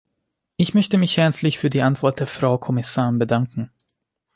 Ich möchte mich herzlich für die Antwort der Frau Kommissarin bedanken.